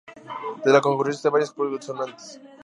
De la concurrencia de varias consonantes.